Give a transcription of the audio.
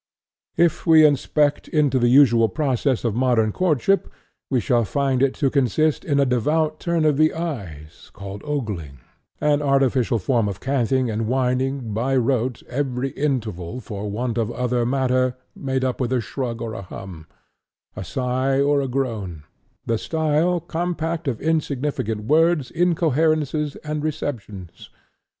If we inspect into the usual process of modern courtship, we shall find it to consist in a devout turn of the eyes, called ogling; an artificial form of canting and whining, by rote, every interval, for want of other matter, made up with a shrug, or a hum; a sigh or a groan; the style compact of insignificant words, incoherences, and repetitions.